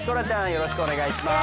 よろしくお願いします。